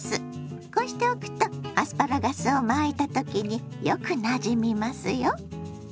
こうしておくとアスパラガスを巻いた時によくなじみますよ。